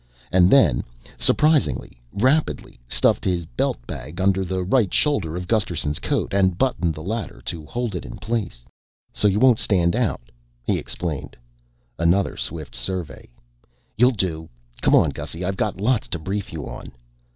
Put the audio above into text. and then surprisingly rapidly stuffed his belt bag under the right shoulder of Gusterson's coat and buttoned the latter to hold it in place. "So you won't stand out," he explained. Another swift survey. "You'll do. Come on, Gussy. I got lots to brief you on."